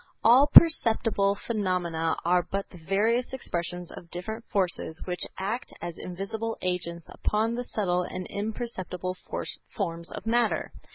All perceptible phenomena are but the various expressions of different forces which act as invisible agents upon the subtle and imperceptible forms of matter.